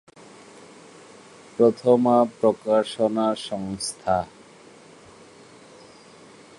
প্রথমা প্রকাশনা সংস্থা।